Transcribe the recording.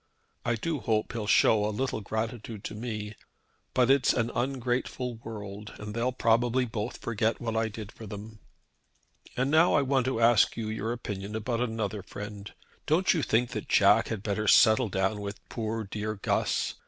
I do hope he'll show a little gratitude to me. But it's an ungrateful world, and they'll probably both forget what I did for them. "And now I want to ask you your opinion about another friend. Don't you think that Jack had better settle down with poor dear Guss?